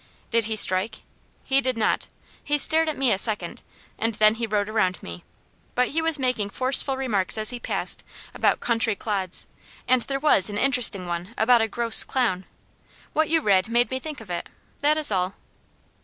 "Did he strike?" "He did not. He stared at me a second, and then he rode around me; but he was making forceful remarks as he passed about 'country clods,' and there was an interesting one about a 'gross clown.' What you read made me think of it, that is all."